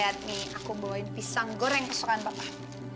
lihat nih aku bawain pisang goreng kesukaan bapak